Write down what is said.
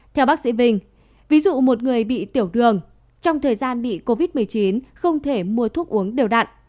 theo bác sĩ vinh ví dụ một người bị tiểu đường trong thời gian bị covid một mươi chín không thể mua thuốc uống đều đặn